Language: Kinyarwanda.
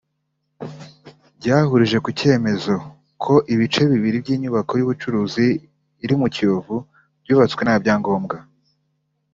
byahurije ku cyemezo ko ibice bibiri by’inyubako y’ubucuruzi iri mu Kiyovu byubatswe nta byangombwa